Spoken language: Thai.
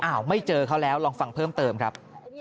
ไม่เจอเขาแล้วลองฟังเพิ่มเติมครับ